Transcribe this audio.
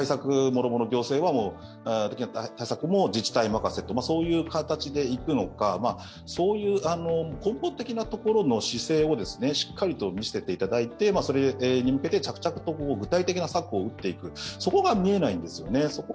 もろもろは行政、自治体任せ、そういう形でいくのか、根本的なところの姿勢をしっかりと見せていただいてそれに向けて着々と具体的な策を打っていく、そこが見えないんですよね。